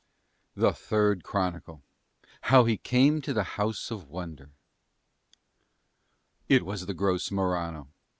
THE THIRD CHRONICLE HOW HE CAME TO THE HOUSE OF WONDER It was the gross Morano.